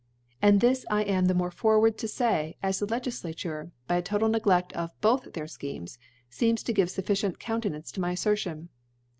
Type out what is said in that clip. And this I am the more forward to fay, as the Legiflature, by a total Negleft of both their Schemes, feem to give fufficient Counte nance to my Affertion.